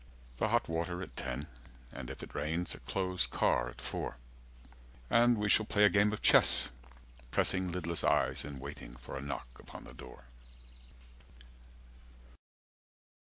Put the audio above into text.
The hot water at ten. And if it rains, a closed car at four. And we shall play a game of chess, Pressing lidless eyes and waiting for a knock upon the door.